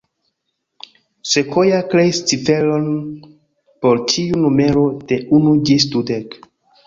Sequoyah kreis ciferon por ĉiu numero de unu ĝis dudek